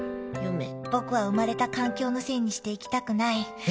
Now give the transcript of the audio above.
僕は生まれた環境のせいにして生きたくない。